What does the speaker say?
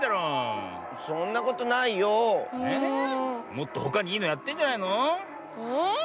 もっとほかにいいのやってんじゃないの？え。